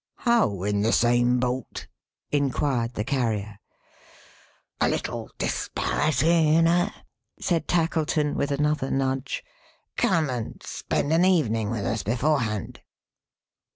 "How in the same boat?" inquired the Carrier. "A little disparity, you know;" said Tackleton, with another nudge. "Come and spend an evening with us, beforehand."